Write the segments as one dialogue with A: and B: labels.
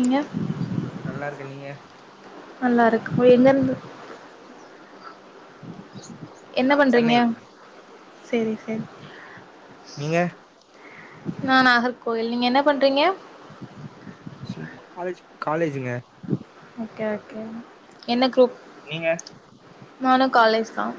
A: நீங்க
B: நல்லா இருக்க நீங்க
A: நல்லா இருக்கும் எங்க இருந்து
B: நாங்க சென்னை
A: சரி சரி
B: நீங்க
A: நா நாகர்கோயில் நீங்க என்ன பண்றீங்க
B: சும்மா காலேஜ் காலேஜுங்க
A: ஓகே ஓகே என்ன குரூப்
B: நீங்க
A: நானும் காலேஜ் தான்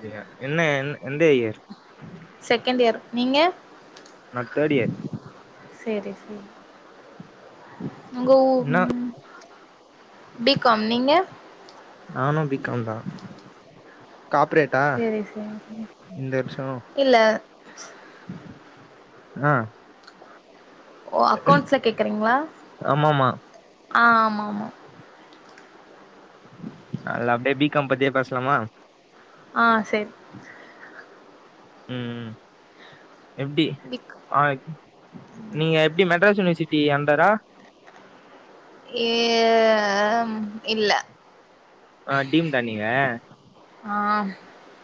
B: செரிங்க என்ன என் எந்த இயர்
A: செகண்ட் இயர் நீங்க
B: நான் தேர்ட் இயர்
A: செரி செரி உங்க ஊ
B: என்ன
A: ம் பி கம் நீங்க
B: நானும் பி காம் தான்
A: செரி செரி செரி
B: இந்த வருஷோ
A: இல்ல
B: ஆஹ்
A: ஓ அக்கௌன்ஸ்ட்ல கேக்குறீங்களா
B: ஆமாமா
A: ஆஹ ஆமாமா
B: ல்ல அப்டே பி கம் பத்தியே பேசலாமா
A: ஆ செர்
B: ம் ம் எப்டி
A: பிக்
B: ஆ நீங்க எப்டி மெட்ராஸ் யூனிவர்சிட் டி அன்டரா
A: எ ஆம் இல்ல
B: ஆ டீம் தா நீங்க
A: ஆ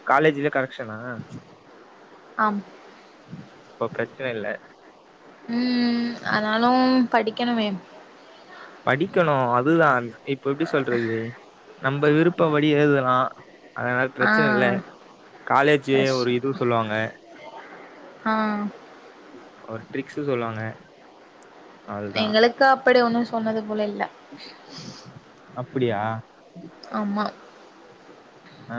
B: காலேஜில கரெக்க்ஷனா
A: ஆம்
B: அப்போ பிரச்சன இல்ல
A: ம் ஆனாலு படிக்கனுமே
B: படிக்கணு அதுதா இப்ப எப்டி சொல்றது நம்ப விருப்பப்படி எழுதலா அதனால பிரச்சன இல்ல
A: ஆ
B: காலேஜி
A: கஷ்
B: ஒரு இது சொல்வாங்க
A: ஆ
B: ஒரு ட்ரிக்ஸு சொல்வாங்க
A: எங்களுக்கு அப்டி ஒண்ணு சொன்னது போல இல்ல
B: அப்டியா
A: ஆமா
B: ஆ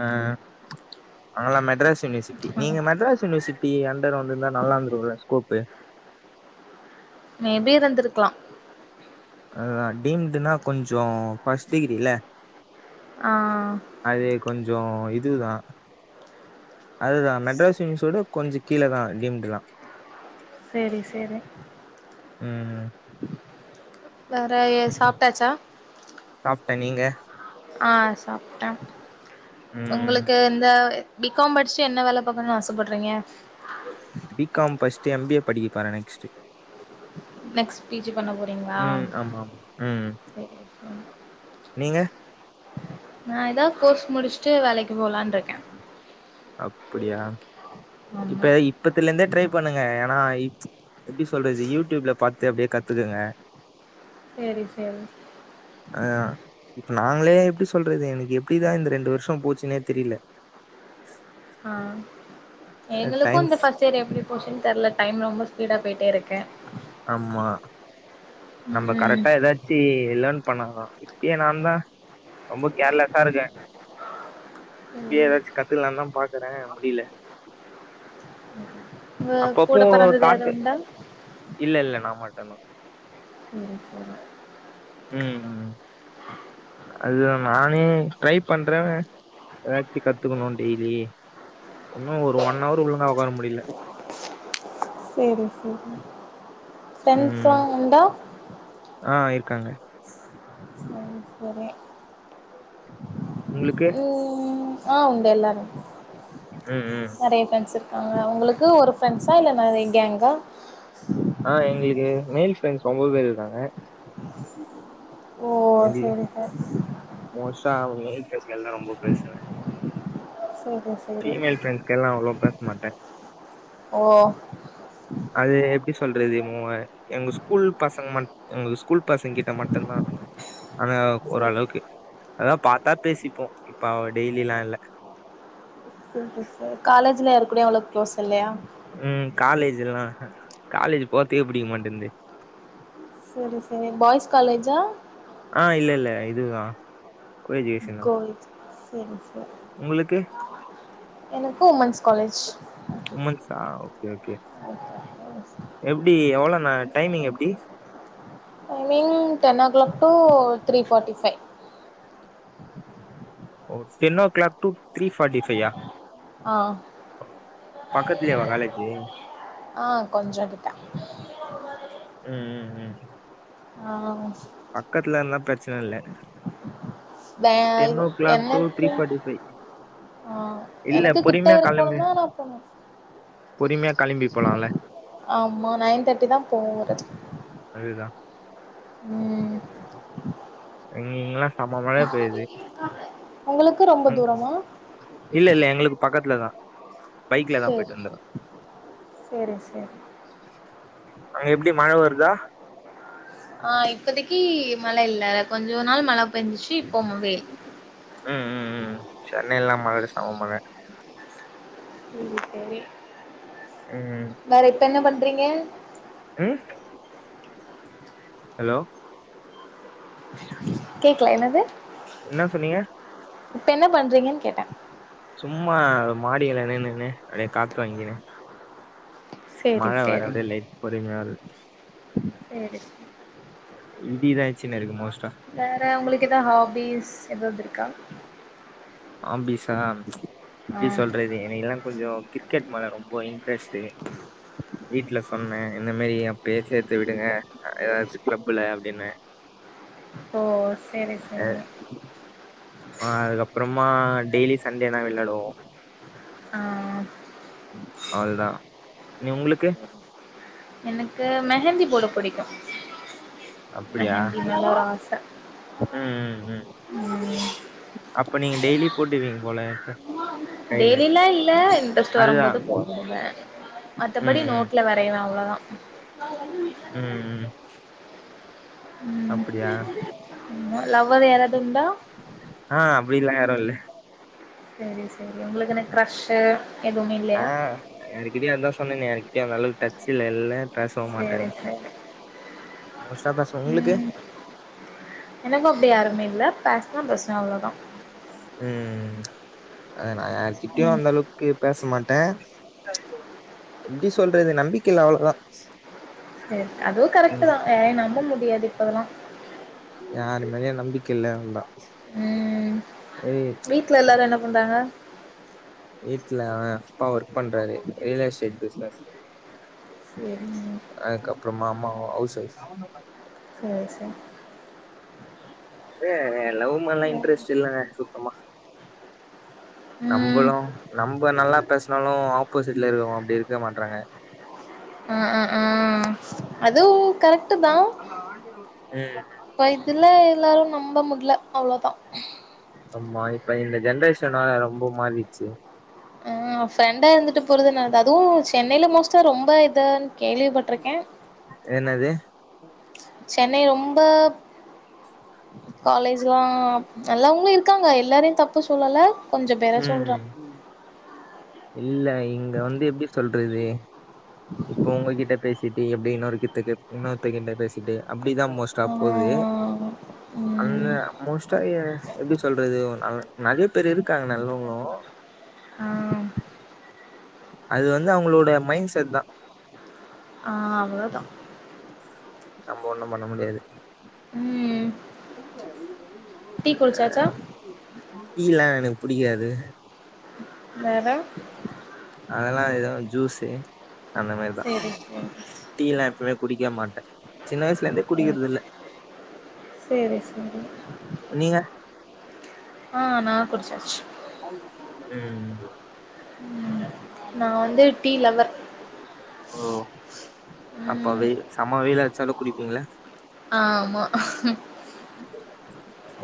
B: அவுங்கெல்லா மெட்ராஸ் யூனிவர்சிட்டி
A: ஆ
B: நீங்க மெட்ராஸ் யூனிவர்சிட்டி அண்டர் வந்துருந்தா நல்லா இருந்துருக்குல்ல ஸ்கோப்பு
A: மேபி இருந்திருக்லா
B: அதுதா டீம்டுனா கொஞ்சோ ஃபஸ் டிகிரில்ல
A: ஆ
B: சோ இதுதா அதுதா மெட்ராஸ் யுனிவர்ஸோட கொஞ்ச கீழ தா டீம்டுலா
A: செரி செரி
B: ம்
A: வேற எ சாப்ட்டாச்சா
B: சாப்ட்டே நீங்க
A: ஆ சாப்ட்டே
B: ம்
A: உங்களுக்கு எந்த பி காம் படிச்சு என்ன வேல பாக்கனுன் ஆசப்பட்றீங்க
B: து எம் பி ஏ படிக்கப்போற நெக்ஸ்ட்
A: நெக்ஸ் பீஜி பண்ண போறீங்ளா
B: ஆமா ஆமா ம்
A: செரி செரி
B: நீங்க
A: நா ஏதா கோர்ஸ் முடிச்ட்டு வேலைக்
B: அப்புடியா
A: ஆமா
B: இப்ப இப்பத்லந்தே ட்ரை பண்ணுங்க ஏனா ப்ச் எப்டி சொல்றது யூடியூப்ல பாத்து அப்டியே கத்துக்குங்க
A: செரி செரி
B: ஆ நாங்களே எப்டி சொல்றது எனக்கு எப்டிதா இந்த ரெண்டு வருஷோ போச்சுனே தெரில
A: ஆ எங்களுக்கு
B: டைம்ஸ்
A: இந்த ஃபஸ்ட் இயர் எப்டி போச்சுன் தெர்ல டைம் ரொம்ப ஸ்பீடா போயிட்டேருக்
B: ஆமா நம்ம
A: ம்
B: கரெட்டா எதாச்சி இல்லன் பண்ணாதா இப்யே நா தா ரொம்ப கேர்லெஸ்சா இருக்கே இப்யே ஏதாச் கத்துக்லான் தா பாக்குறே அப்படி இல்ல
A: உங்க கூட
B: அப்பப்போ
A: பிறந்தது யாரு
B: காட்டு
A: உண்டா
B: இல்ல இல்ல நா மட்டு தா
A: ம் செரி
B: ம் ம் அதுதா நானே ட்ரை பண்றே எதாச்சி கத்துக்கனு டெய்லி ஒன்னு ஒரு ஒன் ஹவுர் ஒழுங்கா ஒக்கார முடியில
A: செரி செரி ஃப்ரண்ட்ஸ் லா
B: ம்
A: உண்டா
B: ஆ இருக்காங்க
A: செரி செரி
B: உங்களுக்கு
A: ம் ஆ உண்டு எல்லாரு
B: ம் ம்
A: நெறைய ஃப்ரெண்ட்ஸ் இருக்காங்க ஒங்களுக்கு ஒரு ஃப்ரண்ட்ஸா இல்ல நெறைய கேங்கா
B: ஆ எங்களுக்கு மேல் ஃப்ரெண்ட்ஸ் ஒம்போது பேர் இருக்காங்க
A: ஓ செரி சரி
B: நா மேல் [unintelligible] தா ரொம்ப பேசுவே
A: சரி சரி
B: ஃபிமெல் ஃபிரண்ட்ஸ் கேல்லா அவ்ளவ பேசமாட்டே
A: ஓ
B: எப்டி சொல்றது ம் ஆ எங்க ஸ்கூல் பசங்க ம எங்க ஸ்கூல் பசங்க கிட்ட மட்டும்தா அது
A: சரி
B: ஒரளவுக்கு அதா பாத்தா பேசிப்போ இப்பா டெய்லிலா இல்ல
A: [inaudible] காலேஜ்ல இரு
B: ம் காலேஜ் எல்லா அ காலேஜ் போறத்துக்கே புடிக்க மாட்டந்தே
A: செரி செரி பாய்ஸ் காலேஜா
B: ஆ இல்ல இல்ல இதுதா
A: கோயேட்ஸ் செரி செரி
B: உங்களுக்கு
A: எனக்கு உமென்ஸ் காலேஜ்
B: உமென்ஸா ஓகே ஓகே எப்டி எவ்ள ந டைமிங் எப்டி
A: timing ten o'clock two three forty five
B: ஓ ten o'clock two three forty five yeah
A: ஆ
B: ஓ பக்கத்துலயாவா காலேஜு
A: ஆ கொஞ்சோ கிட்ட
B: ம் ம் ம்
A: ஆ [inaudible]
B: பக்கத்துல இந்தா பிரச்சன இல்ல
A: வே
B: டென் ஓ கிளாக்
A: என்ன
B: டு
A: [unintelligible]
B: த்ரீ ஃபார்ட்டி ஃபைவ்
A: ஆ
B: இல்ல
A: எனக்கு கிட்ட
B: பொறுமையா
A: இருக்கணு
B: கிளம்பி
A: தான் [unintelligible] போணு
B: பொறுமையா கிளம்பி போலாம்ல
A: ஆமா நைன் தேட்டி தா போறது
B: அதுதான்
A: ம்
B: இ இங்லா சம மழ பெய்து
A: உங்களுக்கு ரொம்ப
B: ம்
A: தூரமா
B: இல்ல இல்ல எங்குளுக்கு பக்கத்துலதா பைக்லதா
A: சேரி
B: போயிட்டு வந்துருவே
A: சேரி சேரி
B: அங்க எப்டி மழ வருதா
A: ஆ இப்பதைக்கு மழ இல்ல த கொஞ்ச நாள் மழ பெஞ்சிச்சு இப்ப வெயி
B: ம் ம் ம் சென்னைல்லா மழ சம மழ
A: செரி
B: ம்
A: வேற இப்ப என்ன பண்றீங்க
B: ம் ஹலோ
A: கேக்கல என்னது
B: என்ன சொன்னீங்க
A: இப்ப என்ன பண்றீங்கன் கேட்ட
B: சும்மா மாடில நின்னு னு அப்டியே காத்து வாங்கினு
A: சேரி
B: மழ வர
A: சேரி
B: அப்டே லைட் பொறுமையா வருது
A: சேரி [inaudible]
B: இடிதா இச்சுன்னுருக்கு மோஸ்ட்
A: வேற உங்குளுக்கு எதா ஹாபீஸ் ஏதாது ருக்கா
B: ஆம்பிஸா எப்டி
A: ஆ
B: சொல்றது என்ன எல்லா கொஞ்சோ கிரிக்கெட் மேல ரொம்போ இன்ட்ரெஸ்ட்டு வீட்ல சொன்னே இந்த மேரி அப்பயே சேத்து விடுங்க ஏதாச்சு கிளப்புல அப்டின்னு
A: ஓ செரி செரி
B: அ அதுக்கப்றமா டெய்லி சண்டேனா வெள்ளாடுவோ
A: ஆ
B: அதுதா நீ உங்களுக்கு
A: எனக்கு மெஹந்தி போட புடிக்கு
B: அப்டியா
A: மெஹந்தி மேல ஒரு ஆச
B: ம்
A: ம்
B: இப்ப நீங்க டெய்லி போடுவீங்க போல கைல
A: டெய்லிலா இல்ல இன்ட்ரெஸ்ட் வரும்
B: அதுதா
A: போது போடுவ மத்தபடி
B: ம் ம்
A: நோட்ல வரைவே அவ்ளதா
B: ம் ம்
A: ம்
B: அப்டியா
A: லவ்வர் யாராவது உண்டா
B: ப்ப இல்ல
A: சரி சரி உங்களுக்கு என்ன கிரஷூ
B: ஆ யார்கிட்டயு அதா சொன்னேனே யார்கிட்டயு அந்தளவு டச் இல்ல எல்லா பேசவு
A: சரி
B: மாட்டேனு
A: சரி ம் எனக்கு அப்டி யாருமே இல்ல பேசுனா பேசுவ அவ்ளோதா
B: ம் அத நா யார்க்கிட்டயு
A: ம்
B: அந்தளவுக்கு பேச மாட்டே எப்டி சொல்றது நம்பிக்கை இல்ல அவ்ளோதா
A: சரி அதுவு கரெக்ட்
B: ம்
A: தா யாரையும் நம்ப முடியாது இப்பல்லா
B: யாருமேலயு நம்பிக்க இல்ல அவ்ளோதா
A: ம் ம் வீட்ல எல்லாரு என்ன பண்றாங்க
B: வீட்ல அப்பா ஒர்க் பண்றாரு ரியல் எஸ்டேட் பிஸ்நஸ்
A: சரிங்க
B: அதுக்கப்பறமா அம்மா ஹவுஸ் ஒயிஃப்
A: சரி சரி
B: அ லவ் மேலலா இன்ட்ரெஸ்ட் இல்லங்க சுத்தமா
A: ம்
B: நம்பளு நம்ம நல்லா பேசுனாலு ஆப்போசிட்ல இருக்கவங்க அப்டி இருக்க மாட்றாங்க
A: ம் ம் ஆ அது கரெக்ட் தா
B: ம்
A: இ இதுல எல்லாரு நம்ப முடில அவ்ளோதா
B: ஆமா இப்ப இந்த ஜென்ரேஷனால ரொம்ப மாறிச்சு
A: அ ஃப்ரெண்டா இருந்துட்டு போறதுனாலதா அதுவு சென்னைல மோஸ்ட்டா ரொம்ப இதன் கேள்விப்பட்ருக்கே
B: ம்
A: சென்னை ரொம்ப காலேஜ்லா நல்லவங்களு இரு இருக்காங்க எல்லாரையும் தப்பு சொல்லல கொஞ்சம் பேற சொல்ற
B: ம் இல்ல இங்க வந்து எப்டி சொல்றது இப்ப உங்ககிட்ட பேசிட்டு எப்படி இன்னொரு கிட்ட இன்னொருத்த கிட்ட பேசிட்டு அப்படிதா மோஸ்டா
A: ஆ
B: போகுது அந்த
A: ம்
B: மோஸ்டா எப்புடி சொல்றது நறைய பேர் இருக் இருக்காங்க நல்லவங்களு
A: ஆ
B: அது வந்து அவங்களோட மைண்ட் செட் தான்
A: ஆ அவ்ளோதா
B: நம்ம ஒண்ணும் பண்ண முடியாது
A: ம் டீ குடிச்சாச்சா
B: டி லா எனக்கு புடிக்காது
A: வேற
B: அதெல்லா எதுவும் ஜூஸு அந்த மாரிதான்
A: சேரி சேரி
B: டீய எல்லா எப்பவுமே குடிக்க மாட்டே சின்ன வயசுல இருந்தே குடிக்கறத
A: ம்
B: இல்ல
A: சேரி சேரி
B: நீங்க
A: ஆ ந குடிச்சாச்சு
B: ம் ம்
A: நான் வந்து டீ லவ்வர்
B: ஓ அப்ப வெய் செம வெயில் அடிச்சாலு குடிப்பீங்கள
A: ஆமா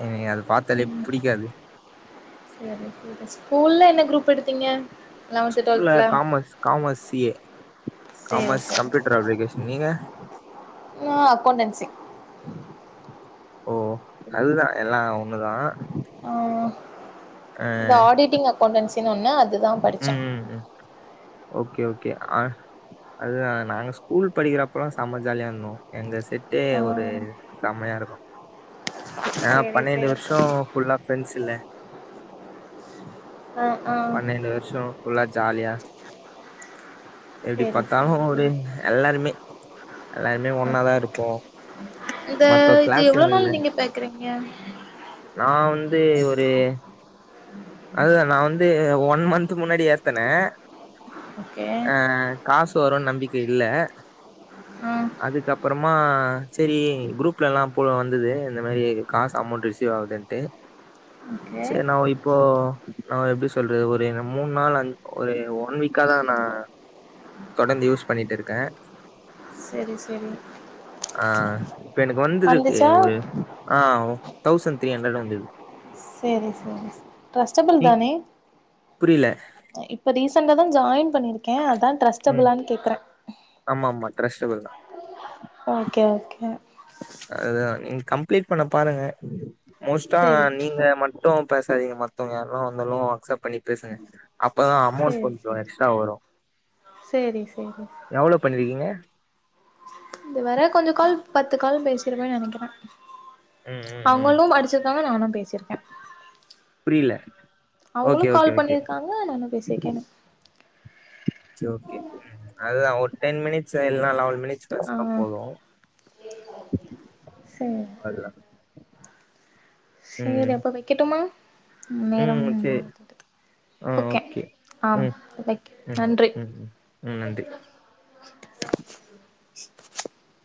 B: என்கு அத பார்த்தாலே புடிக்காது
A: சேரி ஸ்கூல்ல என்ன குரூப் எடுத்தீங்க லெவன்த்து
B: ஸ்கூல்ல
A: டுவெல்த்துல
B: காமர்ஸ் காமர்ஸ் சிஏ
A: சேரி
B: காமர்ஸ்
A: சேரி
B: கம்ப்யூட்டர் அப்ளிகேஷன் நீங்க
A: நா அக்கௌண்டன்சி
B: ஓ அதுதான் எல்லாம் ஒண்ணுதான்
A: ஆ இந்த ஆடிட்டிங் அக்கௌன்ண்டன்சினு ஒன்னு அதுதான் படிச்சே
B: ம் ம் ம் ஓகே ஓகே அ அதுதான் நாங்க ஸ்கூல் படிக்கிறப்பல்லா செம்ம ஜாலியா இருந்தோம் எங்க செட்டே
A: ஆ
B: ஒரு செமயா இருக்கும் ஏனா
A: சேரி
B: பன்னிரெண்டு
A: சேரி
B: வருஷம் ஃபுல்லா ஃப்ரெண்ட்ஸ் இல்ல
A: ஆ ஆ
B: பன்னண்டு வருஷம் ஃபுல்லா ஜாலியா எப்படி
A: சேரி சேரி
B: பார்த்தாலும் ஒரு எல்லாருமே எல்லாருமே ஒன்னாதான் இருப்போம்
A: இத இது எவ்வலோ நாள் நீங்க பாக்குறீங்க
B: நா வந்து ஒரு அதுதான் நான் வந்து ஒன் மந்த்த் முன்னாடி ஏத்தனே
A: ஓகே
B: ஆ காசு வரும்ன்னு நம்பிக்க இல்ல
A: ஆ
B: அதுக்கப்புறமா சரி குரூப்ல எல்லாம் போ வந்தது இந்த மாரி காசு அமௌண்ட் ரிசீவ் ஆவூதுன்ட்டு
A: ஓகே
B: இப்போ நான் எப்புடி சொல்றது ஒரு மூணு நாள் ஒரு ஒன் வீக்கா தான் நான் தொடர்ந்து யூஸ் பண்ணிட்டு இருக்க
A: சரி சரி
B: ஆ இப்ப எனக்கு வந்திருக்கு ஒரு ஆ தௌசண்ட் த்ரீ ஹண்ட்ரட் வந்திருக்கு
A: சரி டிரஸ்ட்டபுல் தானே
B: புரியல
A: இப்ப ரிசெண்ட்டா தான் ஜாயின் பண்ணிருக்கேன் அதான்
B: ம்
A: டிரஸ்டபுளான்னுே கேக்குறே
B: ஆமா ஆமா ட்ரஸ்ட்டபுள் தா
A: ஓகே ஓகே
B: அ நீங்க கம்ப்ளீட் பண்ண பாருங்க மோஸ்டா
A: சேரி
B: நீங்க மட் டும் பேசாதீங்க மத்தவங்க யாருன்னா வந்தாலும் அக்சப்ட் பண்ணி பேசுங்க அப்பதான் அமௌண்ட்
A: சேரி சேரி
B: கொஞ்சம் எக்ஸ்ட்ரா வரும்
A: சேரி சேரி
B: எவ்வளவு பண்ணிருக்கீங்க
A: இது வற கொஞ்சம் கால் பத்து கால் பேசிருப்பன்னு நினைக்கிறே
B: ம் ம் ம்
A: அவங்களும் அடிச்சிருக்காங்க நானும் பேசிருக்கே
B: புரியல
A: அவங்களும்
B: ஓகே ஓகே
A: கால்
B: ஓகே
A: பண்ணியிருக்காங்க நானும் பேசியிருக்கேன்
B: இட்ஸ் ஓகே அதான் ஒரு டென் மினிட்ஸ் இல்ல லவன் மினிட்ஸ்
A: ஆ
B: பேசின போதும் அது தான்
A: செரி அப்ப வைக்கட்டுமா நேரம்
B: ம் சரி
A: ஓகே ஆம்
B: ம் ம் ம்
A: நன்றி
B: ம் ம் நன்றி
A: [inaudible]